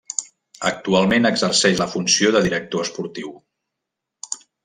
Actualment exerceix la funció de director esportiu.